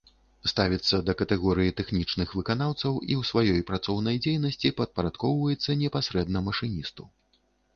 Ставіцца да катэгорыі тэхнічных выканаўцаў і ў сваёй працоўнай дзейнасці падпарадкоўваецца непасрэдна машыністу.